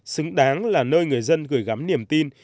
xứng đáng là nơi người dân gửi gắm niềm tin